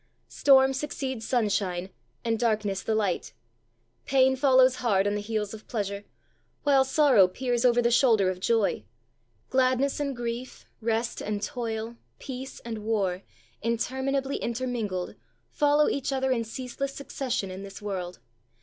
Storm succeeds sunshine, and darkness the light; pain follows hard on the heels of pleasure, while sorrow peers over the shoulder of joy; gladness and grief, rest and toil, peace and war, interminably intermingled, follow each other in ceaseless succession in this world.